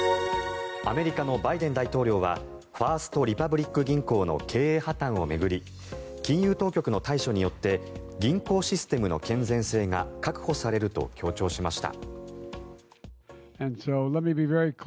アメリカのバイデン大統領はファースト・リパブリック銀行の経営破たんを巡り金融当局の対処によって銀行システムの健全性が確保されると強調しました。